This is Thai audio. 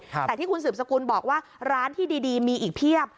แต่ที่คุณสืบสกุลบอกว่าร้านที่ดีมีอีกเพียบ